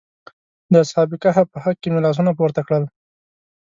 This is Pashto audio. د اصحاب کهف په حق کې مې لاسونه پورته کړل.